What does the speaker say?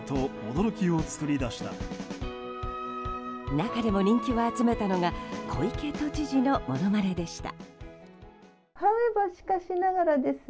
中でも人気を集めたのが小池都知事の物まねでした。